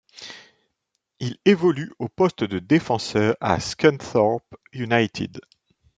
Il évolue au poste de défenseur à Scunthorpe United.